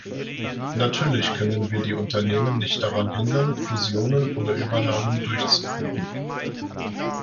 Natürlich können wir die Unternehmen nicht daran hindern, Fusionen oder Übernahmen durchzuführen.